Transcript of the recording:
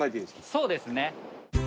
そうですね。